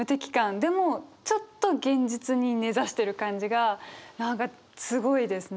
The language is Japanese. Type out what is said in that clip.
でもちょっと現実に根ざしてる感じが何かすごいですね。